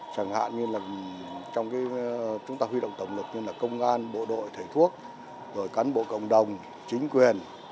chẳng hạn như là trong chúng ta huy động tổng lực như là công an bộ đội thầy thuốc rồi cán bộ cộng đồng chính quyền